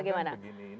saya membayangkan begini